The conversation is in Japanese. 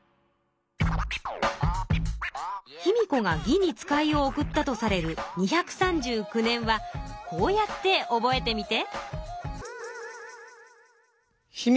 卑弥呼が魏に使いを送ったとされる２３９年はこうやって覚えてみて。